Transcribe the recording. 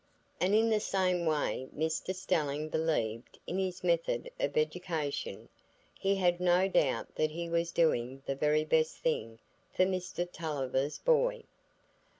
And in the same way Mr Stelling believed in his method of education; he had no doubt that he was doing the very best thing for Mr Tulliver's boy.